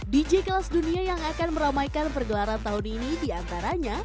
dj kelas dunia yang akan meramaikan pergelaran tahun ini diantaranya